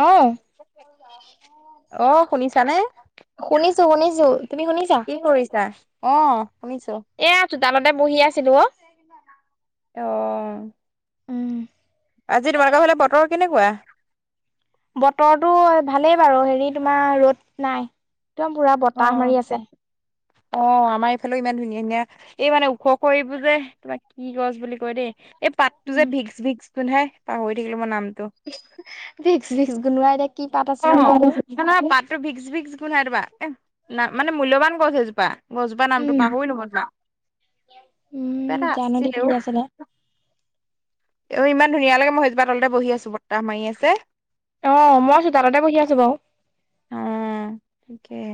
অহ। অ শুনিছানে? শুনিছো শুনিছো তুমি শুনিছা? কি কৰিছা অ শুনিছো এয়া চোতালতে বহি আছিলো অ অ উম আজি তোমালোকৰ ফালে বতৰ কেনেকুৱা বতৰটো ভালেই বাৰু হেৰি তোমাৰ ৰ'দ নাই একদম পুৰা বতাহ অ' মাৰি আছে অ আমাৰ এইফালেও ইমান ধুনীয়া ধুনীয়া এই মানে ওখ ওখ এইবোৰ যে তোমাৰ কি গছ বুলি কয় দেই এই পাতটো উম যে ভিক্স ভিক্স গুন্ধায় পাহৰি থাকিলো মই নামটো ভিক্স ভিক্স গুন্ধোৱাই দে অ মানে পাতটো ভিক্স ভিক্স গুন্ধায় তোমাৰ এ না মানে মূল্যবান গছ এজোপা গজোপাৰ নামটো পাহৰিলো মই তোমাৰ কিবা উম এটা জানো দে আছিলেও কি আছিলে। অ ইমান ধুনীয়া লাগে মই সেজোপাৰ তলতে বহি আছো বতাহ মাৰি আছে অঁ মই চোতালতে বহি আছোঁ বাৰু অ ঠিকেই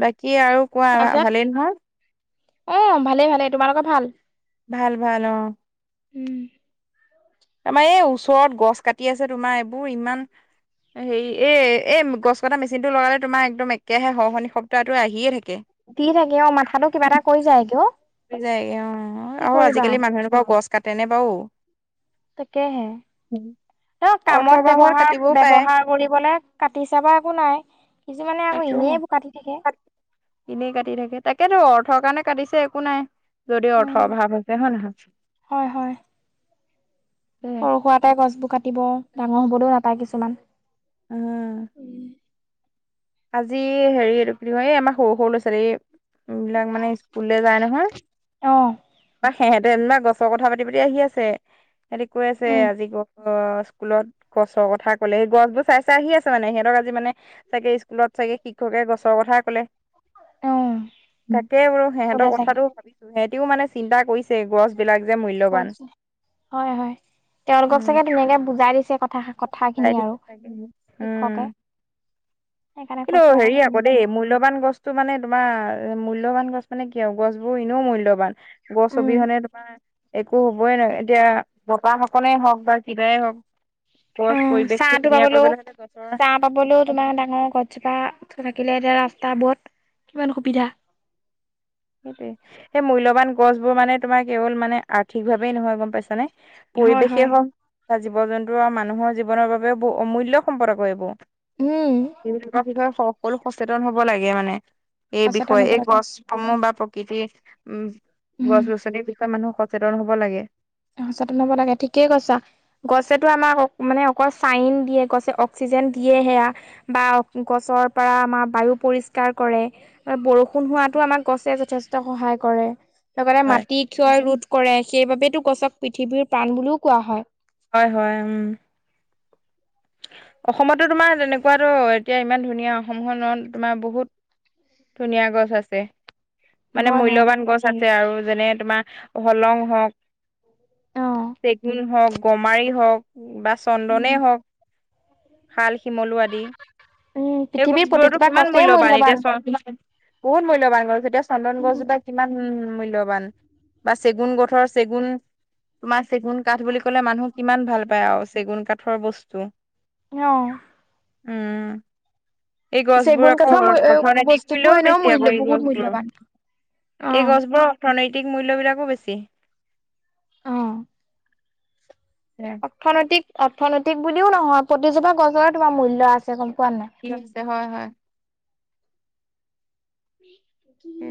বাকী আৰু কোৱা তাৰপিছত ভালেই নহয় অ ভালেই ভালেই তোমালোকৰ ভাল ভাল ভাল অ উম। আমাৰ এই ওচৰত গছ কাটি আছে তোমাৰ এইবোৰ ইমান হেৰি এই এই গছ কটা মেচিন টো লগালে তোমাৰ একদম একেৰাহে হৰহৰনি শব্দটো আহিয়ে থাকে দি থাকে অ মাথাটো কিবা এটা কৰি যায় গে অ যায়গে অ কি আৰু কৰিবা আজিকালি মানুহ এনকা গছ কাটেনে বাৰু তাকেহে অ কামত অৰ্থবাহৰ ব্যবহাৰ কাটিবও পাৰে ব্যবহাৰ কৰিবলে কাটি চাবা একো নাই কিছুমানে আকৌ তাকে এনেই বোৰ কাটি থাকে এনেই কাটি থাকে তাকেতো অৰ্থৰ কাৰণে কাটিছে একো নাই যদি উম অৰ্থ অভাৱ আছে হয় নহয় হয় হয় সৰু সুৰাতে গছবোৰ কাটিব ডাঙৰ হবলৈও নাপায় কিছুমান উম আজি হেৰি এইটো কি কয় এই আমাৰ সৰু সৰু ল'ৰা ছোৱালী এই বিলাক মানে স্কুললে যায় নহয় অ [unintelligible] সিহঁতে যেনিবা গছৰ কথা পাতি পাতি আহি আছে। সিহঁতি কৈ আছে উম আজি ক অ স্কুলত গছৰ কথা ক'লে গছ বোৰ চাই চাই আহি আছে মানে সিহঁতক আজি মানে চাগে স্কু লত ছাগে শিক্ষকে গছৰ কথাই কলে অ তাকে বোলো কলে সিহঁতৰ চাগে কথাটো সিহঁতিও মানে চিন্তা কৰিছে যে গছ বিলাক যে মূল্যবান কৈছে হয় হয় তেওঁলোকক উম, চাগে ধুনীয়াকে বুজাই দিছে কথা কথা বুজাই খিনি আৰু দিছে চাগে উম শিক্ষকে সেইকাৰণে কিন্তু কৈছে আৰু হেৰি আকৌ ধুনীয়াকে দেই মূল্যবান গছ টো মানে তোমাৰ মূল্যবান গছ মানে কি আৰু গছবোৰ এনেও মূল্যবান গছ, উম অবিহনে তোমাৰ একো হবই নোৱাৰে! এতিয়া বতাহ অকনে হওক বা কিবাই হওক অ গছ চাহ পৰিৱেশটো টো ধুনীয়া পাবলও! কৰিবলৈ হ'লে গছৰ চাহ পাবলও তোমাৰ ডাঙৰ গছ কিবা থাকিলে এতিয়া ৰাস্তা বোৰত কিমান সুবিধা। সেইটোৱে সেই মূল্যবান গছ বোৰ মানে তোমাৰ কেৱল মানে আৰ্থিক ভাৱেই নহয়! গম পাইছানে। হয় পৰিৱেশেই হয় হওক, জীৱ-জন্তু আৰু মানুহৰ জীৱনৰ বাবেও ব অমূল্য সম্পদ আকৌ এইবোৰ। উম এইবিলাকৰ বিষয়ে সকলো সচেতন হব লাগে মানে! এই সচেতন বিষয়ে হ'ব এই লাগে গছ সমূহ বা প্ৰকৃতিৰ উম গছ উম গছনিৰ বিষয়ে মানুহ সচেতন হব লাগে। সচেতন হব লাগে! ঠিকেই কৈছা। গছেেতো আমাক মানে অকল চাইন দিয়ে, গছে অক্সিজেন দিয়ে, সেইয়া বা গছৰ পৰা আমাৰ বায়ু পৰিষ্কাৰ কৰে। বৰষুণ হোৱাতো আমাক গছে যথেষ্ট সহায় কৰে। লগতে হয় মাটি ক্ষয় ৰোধ কৰে, সেইবাবেতো গছক পৃথিৱীৰ প্ৰাণ বুলিও কোৱা হয়। হয়, হয়, উম! অসমতো তোমাৰ তেনেকুৱাতো এতিয়া ইমান ধুনীয়া অসমখনত তোমাৰ বহুত ধুনীয়া গছ আছে। মানে হয় হয় মূল্যবান গছ যাতে, আৰু যেনে তোমাৰ হলং হওক, অ চেগুন হওক, গমাৰি হওক, বা উম চন্দনে হওক। শাল, শিমলু আদি উম সেই পৃথিৱীৰ গছবোৰতো প্ৰতিজোপা কিমান গছেই মূল্যবান! এতিয়া চোৱা বহুত মূল্যবান গছ এতিয়া চন্দন গছজোপা কিমান উ মূল্যবান। বা চেগুন গঠৰ চেগুন! তোমাৰ চেগুন কাঠ বুলি ক'লে মানুহ কিমান ভাল পায় আৰু চেগুন কাঠৰ বস্তু। অ, উম! এই গছবোৰ চেগুন আকৌ কাঠৰ পথৰেদি বস্তুবোৰ কৰিলেও এনেও বেছি! মূল্য আকৌ এই বহুত গছবোৰ। মূল্যবান অ এই গছবোৰৰ অৰ্থনৈতিক মূল্যবিলাকো বেছি। অ এ অৰ্থনৈতিক, অৰ্থনৈতিক বুলিও নহয় প্ৰতিজোপা গছৰে তোমাৰ মূল্য আছে গম পোৱা নে নাই! [unintelligible] হয়, হয়, উ কি?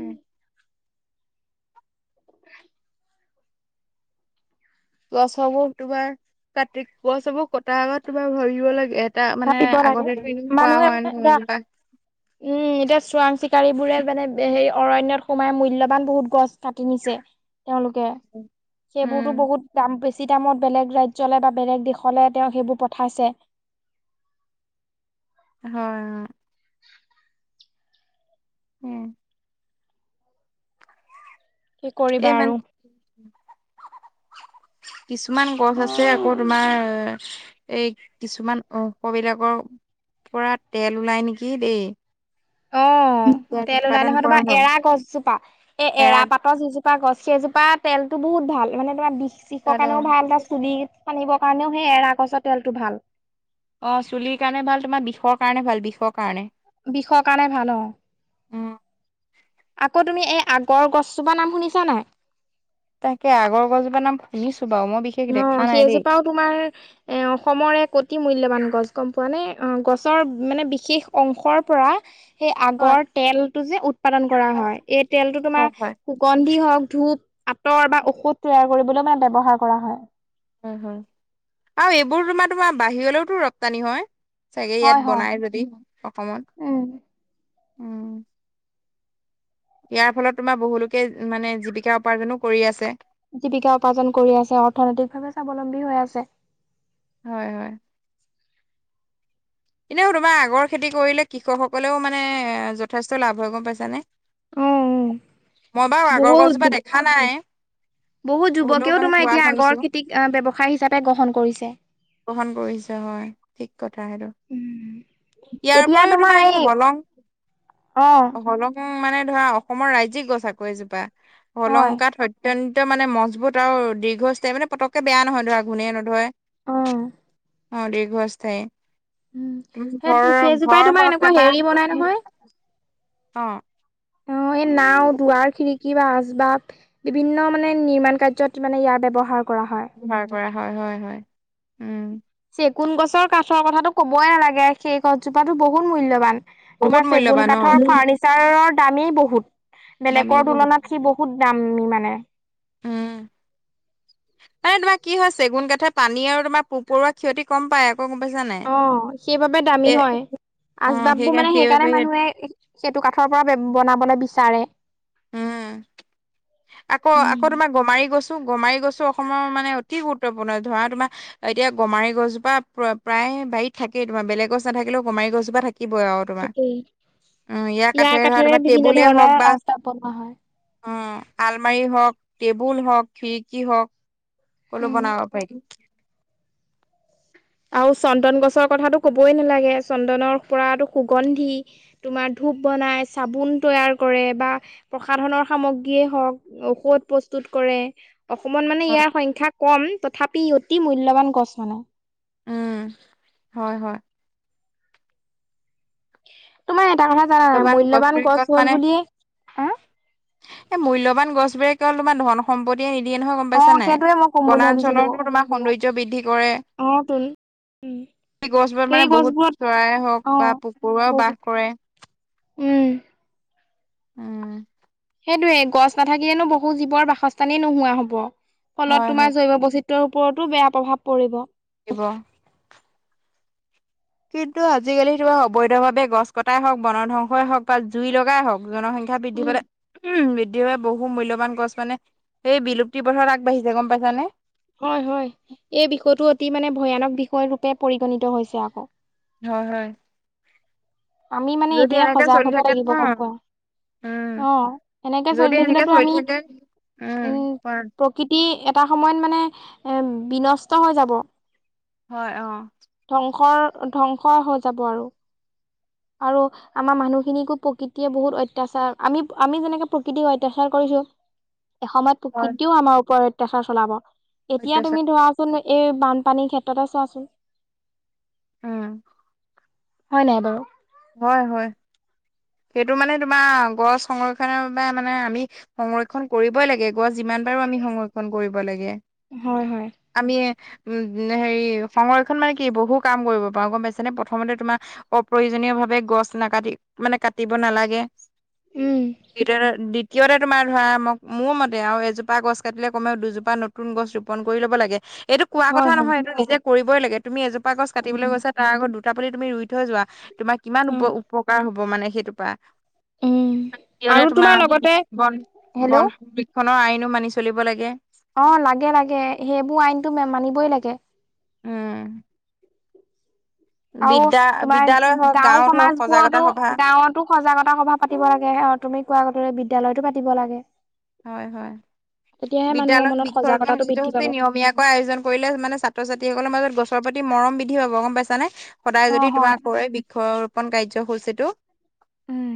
গছবোৰ তোমাৰ কাটি গছ চবোৰ কটাৰ আগত তোমাৰ ভাবিব লাগে। এটা মানে ভাবিব লাগে আগতে এও কোৱা মানুহে হয় নহয় এতিয়া এজোপা উম! এতিয়া চোৰাং চিকাৰী বোৰে মানে হেৰি অৰণ্যত সোমাই মূল্যবান বহুত গছ কাটি নিছে তেওঁলোকে সেইবোৰতো উম বহুত দাম বেছি দামত বেলেগ ৰাজ্যলৈ বা বেলেগ দেশলে তেওঁ সেইবোৰ পঠাইছে। হয়, হয়! [unintelligible] উম! কি এ কৰিবা আৰু মানে কিছুমান গছ আছে, আকৌ তোমাৰ এই কিছুমান অংশ বিলাকৰ পৰা তেল ওলাই নেকি দেই। অ, তেল ওলাই উৎপাদন নহয় কৰা তোমাৰ হয় এৰা গছজোপা এই এৰা পাতৰ যিজোপা তপা গছ এজোপা তেলতো বহুত ভাল মানে তোমাৰ বিষ চিকৰ গছ কাৰণেও ভাল, তাৰ চুলিত সানিবৰ কাৰণেও সেই এৰা গছৰ তেলটো ভাল। অ চুলিৰ কাৰণে ভাল তোমাৰ বিষৰ কাৰণে ভাল বিষৰ কাৰণে বিষৰ কাৰণে ভাল অ উম আকৌ তুমি এই আগৰ গছজোপা নাম শুনিছা নাই? তাকে আগৰ গছজোপা নাম শুনিছোঁ বাৰু মই বিশ অ সেইজোপাও তোমাৰ এ অসমৰে অতি মূল্যবান গছ গম পোৱা নাই গছৰ মানে বিশেষ অংশৰ পৰা - সেই হয় আগৰ তেলটো যে উৎপাদন কৰা হয় এই তেলটো হয় তোমাৰ গন্ধি হওক ধূপ আঁতৰ বা ঔষধ তৈয়াৰ কৰিবলৈ মানে ব্যৱহাৰ কৰা হয়। উ হ আৰু এইবোৰ তোমাৰ তোমাৰ বাহিৰলৈওতো ৰপ্তানি হয়। চাগে হয় ইয়াত হয় বনাই যদি অসমত উম উম ইয়াৰ ফলত তোমাৰ বহুলোকে মানে জীৱিকা উপাৰ্জনো কৰি আছে। জীৱিকা উপাৰ্জন কৰি আছে অৰ্থনৈতিক ভাৱে স্বাৱলম্বী হৈ আছে। হয় হয় ইনেও তোমাৰ আগৰ খেতি কৰিলে কৃষকসকলেও মানে যথেষ্ট লাভ হয় গম পাইছানে? অ অ। মই বাৰু আগৰ বহুত গছজোপা দেখা নাই। বহুত হ'লেও যুৱকেও মানে তোমাৰ কোৱা এতিয়া শুনিছো আগৰ খেতিক ব্যৱসায় হিচাপে গ্ৰহণ কৰিছে। গ্ৰহণ কৰিছে হয় ঠিক কথা সেইটো। উম ইয়াৰ এতিয়া উপৰিও এই তোমাৰ হলং অ হলং উম মানে ধৰা অসমৰ ৰাজ্যিক গছ আকৌ এইজোপা অলংকাত হয়। অত্যন্ত মানে মজবুত আৰু দীৰ্ঘস্থায়ী মানে পতককে বেয়া নহয় ঘোণে নধৰে। অ অ দীৰ্ঘস্থায়ী সেই ঘৰৰ সেইজোপাই তোমাৰ ঘৰ এনেকুৱা এটা হেৰি বনাই নহয় অ অ এই নাও দুৱাৰ খিৰিকী বা আচবাব বিভিন্ন মানে নিৰ্মাণ কাৰ্যত মানে ইয়াৰ ব্যৱহাৰ কৰা হয়। ব্যৱহাৰ কৰা হয় হয় হয় উম চেগুন গছৰ কাঠৰ কথাটো কবই নালাগে সেই গছজোপাটো বহুত মূল্যবান। বহুত তোমাৰ চেগুন মূল্যবান অ কাঠৰ ফাৰনি ছাৰৰ দামেই বহুত দামী বেলেগৰ বহুত তুলনাত সি বহুত দামী মানে। উম মানে তোমাৰ কি হয় চেগুন কাঠে পানী আৰু তোমাৰ পোকপৰুৱা ক্ষতি কম পায়। অ গম পাইছা নাই? অ সেইবাবে দামী এ হয় অ আচবাব বোৰ মানে সেইকাৰণে সেইবাবে মানুহে সেইটো কাঠৰ পৰা বনাবলৈ বিচাৰে। উম আকৌ আকৌ উম তোমাৰ গমাৰি গছ গমাৰি গছো অসমৰ মানে অতি গুৰুত্বপূৰ্ণ ধৰা তোমাৰ এতিয়া গমাৰি গছজোপা প্ৰায় বাৰীত থাকেই তোমাৰ বেলেগ গছ নাথাকিলেও গমাৰি গছজোপা থাকিবই আৰু তোমাৰ থাকেই উম ইয়াৰ ধৰা কাঠেৰে তোমাৰ বিভিন্ন টেবুলে হওক ধৰণৰ বা ৰাস্তা বনোৱা হয়। উম আলমাৰি হওক টেবুল হওক খিৰিকী হওক সকলো বনাব পাৰি। আৰু চন্দন গছৰ কথাটো কবই নালাগে চন্দনৰ পৰাতো সুগন্ধি তোমাৰ ধূপ বনাই চাবোন তৈয়াৰ কৰে বা প্ৰসাধনৰ সামগ্ৰীয়ে হওক ঔষধ প্ৰস্তুত কৰে। অসমত মানে হয়, ইয়াৰ সংখ্যা কম তথাপি ই অতি মূল্যবান গছ মানে উম হয় হয় তোমাৰ এটা কথা জানা নাই মূল্যবান মূল্যৱান গছবোৰে গছ কেৱল মানে হ'ল বুলিয়েই এই মূল্যৱান গছবোৰে কেৱল তোমাৰ ধন [unintelligible] সম্পত্তিয়ে নিদিয়ে নহয় গম অ পাইছা নাই, সেইটোয়ে মই ক'ম বুলি বনাঞ্চলতো তোমাৰ সৌন্দৰ্য বৃদ্ধি কৰে। [unintelligible] অঁ তোন [unintelligible] গছবোৰত সেই মানে গছবোৰত বহুত চৰাই হওক অ বা পোক-পৰুৱাও বহু বাস কৰে। উম। উম। সেইটোৱেই গছ নাথাকিলেনো বহু জীৱৰ বাসস্থানেই নোহোৱা হব। ফলত হয়, হয় তোমাৰ জৈৱবৈচিত্ৰ্য বৈচিত্ৰ্যৰ ওপৰতো বেয়া প্ৰভাৱ পৰিব। দিব [unintelligible] কিন্তু আজিকালি তোমাৰ অবৈধভাৱে গছ কটাই হওক, বন ধ্বংসই হওক বা জুই লগাই হওক জনসংখ্যা জনসংখ্যা বৃদ্ধি উম, পালে [unintelligible] উম বৃদ্ধি হয় বহু মূল্যবান গছ মানে সেই বিলুপ্তি পথত আগবাঢ়িছে গম পাইছানে? [unintelligible] হয়-হয়। এই বিষয়টো অতি মানে ভয়ানক বিষয় ৰূপে পৰিগণিত হৈছে আকৌ। [unintelligible] হয়-হয়। আমি মানে এতিয়াই এনেকে সজাগ চলি হ'ব থাকে লাগিব গম নহয় পোৱা উম [unintelligible] অঁ এনেকে চলি যদি এনেকে থাকিলেতো চলি আমি থাকে [inaudible] উম [unintelligible] প্ৰকৃতি এটা সময়ত মানে এ বিনষ্ট হৈ যাব। হয়। অঁ [unintelligible] ধ্বংসৰ-ধ্বংস হৈ যাব আৰু। আৰু আমাৰ মানুহখিনিকো প্ৰকৃতিয়ে বহুত অত্যাচাৰ, আমি-আমি যেনেকে প্ৰকৃতিক অত্যাচাৰ কৰিছোঁ [unintelligible] এসময়ত হয় প্ৰকৃতিও আমাৰ ওপৰত অত্যাচাৰ চলাব। এতিয়া অত্যাচাৰ তুমি ধৰা [unintelligible] চোন এই বানপানীৰ ক্ষেত্ৰতে চোৱা চোন। উম। হয় নাই বাৰু? হয়-হয়। সেইটো মানে তোমাৰ গছ সংৰক্ষণৰ বাবে মানে আমি সংৰক্ষণ কৰিবই লাগে। গছ যিমান পাৰো আমি সংৰক্ষণ কৰিব লাগে। [unintelligible] হয়-হয়। আমি উম হেৰি সংৰক্ষণ মানে কি বহু কাম কৰিব পাৰো গম পাইছানে প্ৰথমতে তোমাৰ [unintelligible] অপ্ৰয়োজনীযভাৱে গছ নাকাটি মানে কাট [unintelligible] কাটিব নালাগে। উম দ্বিতীয়তে [unintelligible] দ্বিতীয়তে তোমাৰ ধৰা মোক মোৰ মতে আৰু এজোপা গছ কাটিলে কমেও দুজোপা নতুন গছ ৰোপণ কৰি ল'ব লাগে। [unintelligible] এইটো কোৱা হয় কথা হয়। নহয় এইটো নিজে কৰিবই লাগে তুমি এজোপা গছ কাটিবলৈ উম গৈছা তাৰ আগত দুটা পুলি তুমি ৰুই থৈ যোৱা। [unintelligible] তোমাৰ কিমান অ উপ-উপকাৰ হব মানে সেইটোৰ পৰা [inaudible] উম তৃতীয়তে আৰু তোমাৰ লগতে হেল্ল' বন-বন সংৰক্ষণৰ আইনো মানি চলিব লাগে। অঁ লাগে-লাগে সেইবোৰ আইনটো মানিবই লাগে। [unintelligible] উম। আৰু বিদ্যা তোমাৰ বিদ্যালয় হওক গাঁও গাঁৱত হওক সজাগতা সমাজবোৰতো সভা গাঁৱত গাঁৱতো সজাগতা সভা পাতি লাগে। অঁ তুমি কোৱাৰ দৰে বিদ্যালয়তো পাতি লাগে। [unintelligible] হয়-হয়। তেতিয়াহে মানুহৰ বিদ্যালয়ৰ মনত বৃক্ষৰোপণ সজাগতাটো বৃদ্ধি পাব। কাৰ্যসূচী নিয়মীয়া [inaudible] [unintelligible] আয়োজন কৰিলে মানে ছাত্ৰ-ছাত্ৰীসকলৰ মাজত গছৰ প্ৰতি মৰম বৃদ্ধি পাব গম পাইছানে? সদায় যদি তোমাৰ হয় বৃক্ষৰোপন কাৰ্যসূচীটো [unintelligible] উম।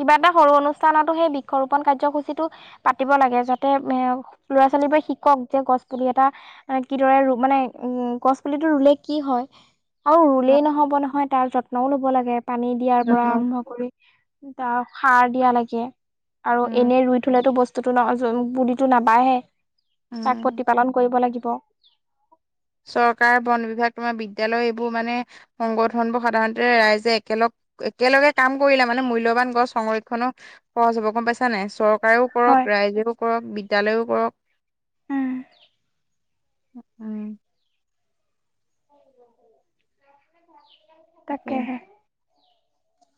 কিবা এটা সৰু অনুষ্ঠানতো সেই বৃক্ষৰোপন কাৰ্যসূচীটো পাতিব লাগে। যাতে এ ল'ৰা-ছোৱালীবোৰে শিকক যে গছ পুলি এটা মান কিদৰে মানে উ গছ পুলিটো ৰুলে কি হয় আৰু ৰুলেই হয়, নহব নহয় তাৰ যত্নও লব লাগে। পানী দিয়াৰ পৰা যত্ন আৰম্ভ কৰি তাৰ সাৰ দিয়া লাগে আৰু উম, এনে ৰুই থলটো বস্তু বস্তুটো না য বডীটো নাবাঢ়ে। তাক উম, প্ৰতিপালন কৰিব লাগিব। চৰকাৰ, বন বিভাগ তোমাৰ বিদ্যালয় এইবোৰ মানে সংগধনবোৰ সাধাৰণতে ৰাইজে একেলগ একেলগে কাম কৰিলে মানে মূল্যবান গছ সংৰক্ষনো খৰচ হ'ব গম পাইছা নাই? চৰ চৰকাৰেও হয় কৰক ৰাইজেও কৰক, বিদ্যালয়ও কৰক, উম উম। তাকেই। তাকেহে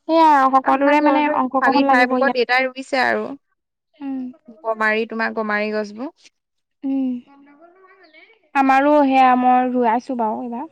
[unintelligible] সকলোৰে মানে অংশগ্ৰহণ লাগিব ইয়াত। পিছে আৰু। উম গমাৰি তোমাৰ গমাৰি গছবোৰ উম আমাৰো সেয়া মই ৰুই আছো বাৰু এইবাৰ।